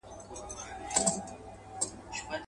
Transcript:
خو تر مرګه یې دا لوی شرم په ځان سو.